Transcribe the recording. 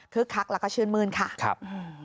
คักแล้วก็ชื่นมื้นค่ะครับ